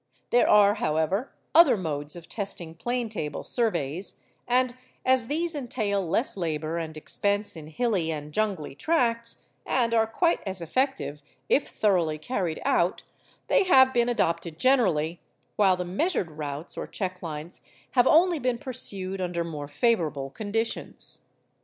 There are, however, other modes of testing plane table surveys, and as these entail less labour and expense in hilly and jungly tracts, and are quite as effective if thoroughly carried out, they have been adopted generally, while the measured routes or check lines have only been pursued under more favourable conditions.